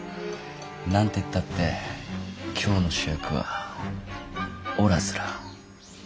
何てったって今日の主役はおらずら。